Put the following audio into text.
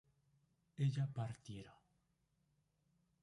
ella partiera